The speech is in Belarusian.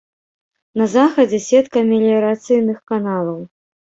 На захадзе сетка меліярацыйных каналаў.